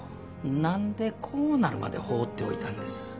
何でこうなるまで放っておいたんです？